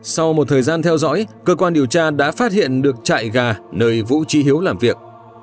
sau một thời gian theo dõi cơ quan điều tra đã phát hiện được trại gà nơi vũ trí hiếu làm việc